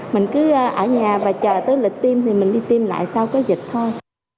mình cứ ở nhà và chờ tới lịch tiêm thì mình đi tiêm lại sau có dịch thôi